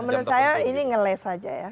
menurut saya ini ngeles saja ya